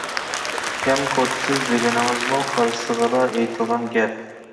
كەم كوتىسىز دېگىنىڭىزمۇ قارىسىغىلا ئېيتىلغان گەپ.